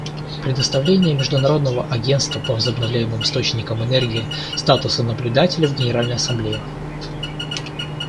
Предоставление Международному агентству по возобновляемым источникам энергии статуса наблюдателя в Генеральной Ассамблее.